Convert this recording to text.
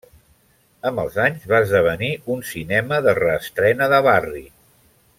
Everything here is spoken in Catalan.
Amb els anys va esdevenir un cinema de reestrena de barri.